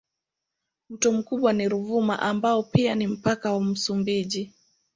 Mto mkubwa ni Ruvuma ambao ni pia mpaka wa Msumbiji.